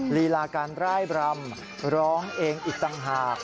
ลีลาการร่ายบรำร้องเองอีกต่างหาก